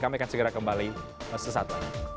kami akan segera kembali sesat